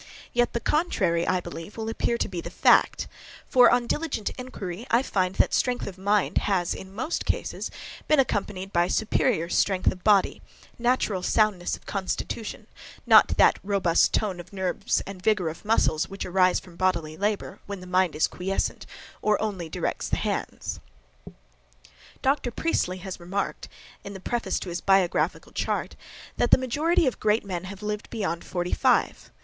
Yet the contrary, I believe, will appear to be the fact; for, on diligent inquiry, I find that strength of mind has, in most cases, been accompanied by superior strength of body, natural soundness of constitution, not that robust tone of nerves and vigour of muscles, which arise from bodily labour, when the mind is quiescent, or only directs the hands. Dr. Priestley has remarked, in the preface to his biographical chart, that the majority of great men have lived beyond forty five.